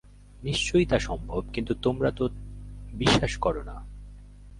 নিশ্চয়ই তা সম্ভব, কিন্তু তোমরা তো বিশ্বাস কর না।